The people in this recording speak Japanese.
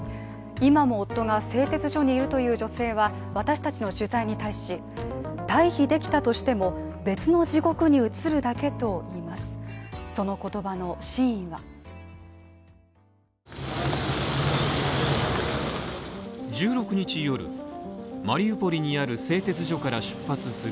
今も夫が製鉄所にいるという女性は私達の取材に対し、退避できたとしても、別の地獄に移るだけと言います。